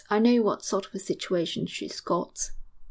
I know what sort of a situation she's got.'